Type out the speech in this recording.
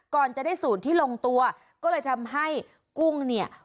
ก่อนจะได้สูตรที่ลงตัวก็เลยทำให้กุ้งเนี่ย